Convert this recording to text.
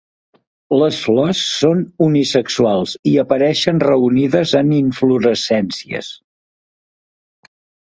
Les flors són unisexuals i apareixen reunides en inflorescències.